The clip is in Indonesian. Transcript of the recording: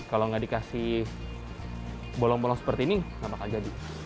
kalau nggak dikasih bolong bolong seperti ini nggak bakal jadi